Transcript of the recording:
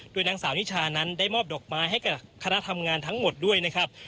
โดยนางสาวนิชานั้นได้มอบดอกไม้ให้กับคณะทำงานทั้งหมดด้วยนะครับ